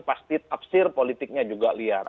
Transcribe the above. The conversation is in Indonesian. pasti tafsir politiknya juga liar